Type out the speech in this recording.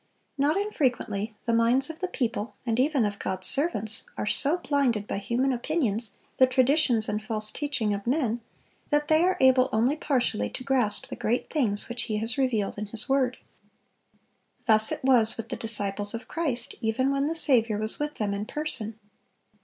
Not infrequently the minds of the people, and even of God's servants, are so blinded by human opinions, the traditions and false teaching of men, that they are able only partially to grasp the great things which He has revealed in His word. Thus it was with the disciples of Christ, even when the Saviour was with them in person.